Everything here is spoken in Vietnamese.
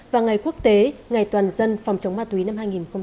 và ngày quốc tế ngày toàn dân phòng chống ma túy năm hai nghìn một mươi sáu